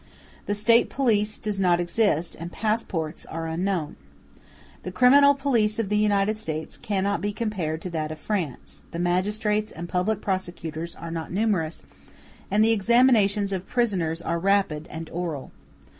The State police does not exist, and passports are unknown. The criminal police of the United States cannot be compared to that of France; the magistrates and public prosecutors are not numerous, and the examinations of prisoners are rapid and oral.